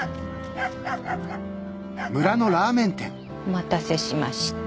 お待たせしました